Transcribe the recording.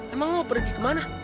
emang mau pergi kemana